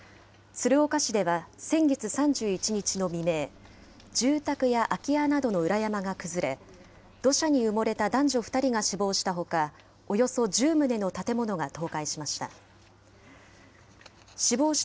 鶴岡市では先月３１日の未明、住宅や空き家などの裏山が崩れ、土砂に埋もれた男女２人が死亡したほか、およそ１０棟の建物が倒壊しました。